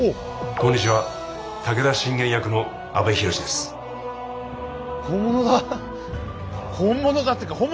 こんにちは武田信玄役の阿部寛です。